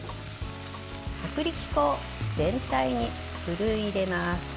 薄力粉を全体に振るい入れます。